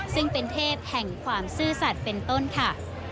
ซึ่งเป็นเทพแห่งความซื่อสัตว์เป็นต้นค่ะ